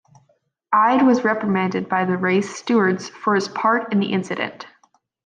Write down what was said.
Ide was reprimanded by the race stewards for his part in the incident.